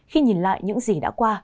khi nhìn lại những gì đã qua